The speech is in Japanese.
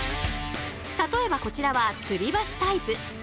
例えばこちらは吊り橋タイプ。